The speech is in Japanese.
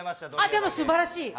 でもすばらしい。